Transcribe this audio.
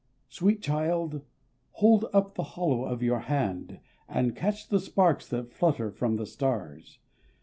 Sweet Child hold up the hollow of your hand And catch the sparks that flutter from the stars!